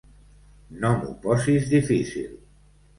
No m'ho posis difícil!